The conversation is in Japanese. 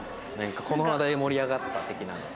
なんかこの話題盛り上がった的な。